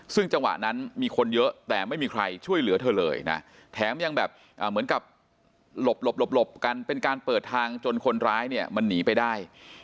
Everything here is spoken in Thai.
ซึ่งจังหวะนั้นมีคนเยอะแต่ไม่มีใครช่วยเหลือเธอเลยนะแถมยังแบบเหมือนกับหลบหลบกันเป็นการเปิดทางจนคนร้ายเนี่ยมันหนีไปได้